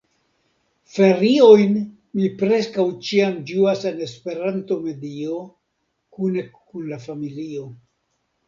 Feriojn mi preskaŭ ĉiam ĝuas en Esperanto-medio, kune kun la familio.